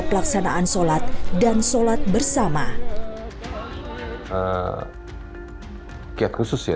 seperti membagi makanan dan minuman bersama dengan masyarakat